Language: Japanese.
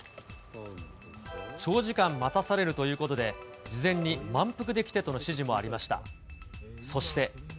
長時間待たされるということで、事前に満腹で来てとの指示もありました。